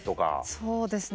そうですね